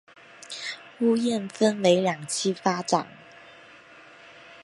屋苑分为两期发展。